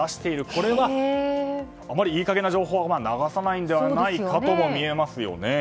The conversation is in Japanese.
これは、あまりいい加減な情報は流さないのではないかとも思えますよね。